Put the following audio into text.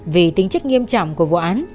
vì tính chất nghiêm trọng của vụ án